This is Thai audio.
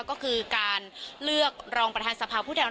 ก็คือการเลือกรองประธานสภาพผู้แทนรั